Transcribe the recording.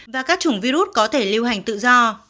và các chủng virus có thể lưu hành tự do